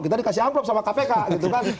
kita dikasih amplop sama kpk gitu kan